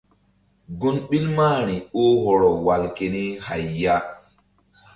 Gun ɓil mahri oh hɔrɔ wal keni hay ya.